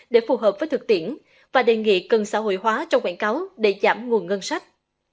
để phù hợp với thực tiễn và đề nghị cần xã hội hóa trong quảng cáo để giảm nguồn ngân sách